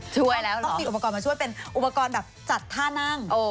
ช่วยแล้วต้องมีอุปกรณ์มาช่วยเป็นอุปกรณ์แบบจัดท่านั่ง